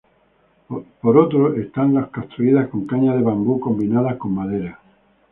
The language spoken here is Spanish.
Por otro, están las construidas con cañas de bambú combinadas con madera.